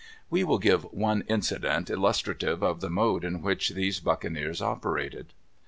We will give one incident illustrative of the mode in which these buccaneers operated.